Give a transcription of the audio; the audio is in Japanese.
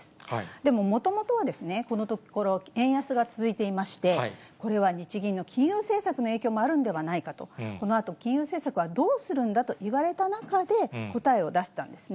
でも、もともとはこのところ、円安が続いていまして、これは日銀の金融政策の影響もあるんではないかと、このあと金融政策はどうするんだと言われた中で、答えを出したんですね。